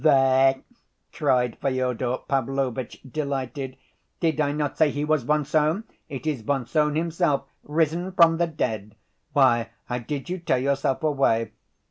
"There!" cried Fyodor Pavlovitch, delighted. "Did I not say he was von Sohn. It is von Sohn himself, risen from the dead. Why, how did you tear yourself away?